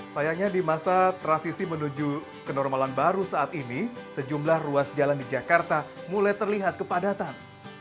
sayangnya di masa transisi menuju kenormalan baru saat ini sejumlah ruas jalan di jakarta mulai terlihat kepadatan